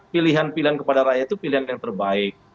pilihan pilihan kepada rakyat itu pilihan yang terbaik